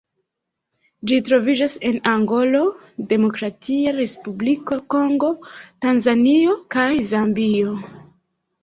Ĝi troviĝas en Angolo, Demokratia Respubliko Kongo, Tanzanio kaj Zambio.